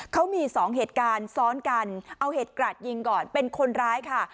เขามีสองเหตุการณ์ซ้อนกันเอาเหตุกราดยิงก่อนเป็นคนร้ายค่ะ